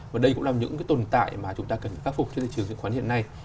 và đây cũng là những cái tồn tại mà chúng ta cần khắc phục trên thị trường chứng khoán hiện nay